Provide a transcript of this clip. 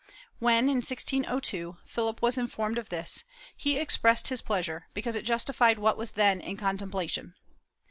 When, in 1602, Philip III was informed of this, he expressed his pleasure because it justified what was then in contemplation.